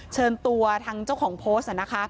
เชิญตัวทางเจ้าของโพสต์นะคะ